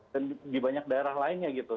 dan di banyak daerah lainnya gitu